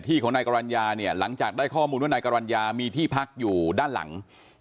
ของนายกรรณญาเนี่ยหลังจากได้ข้อมูลว่านายกรรณยามีที่พักอยู่ด้านหลัง